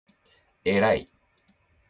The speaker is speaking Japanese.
えらい